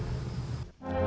intinya itu tau tirolarnya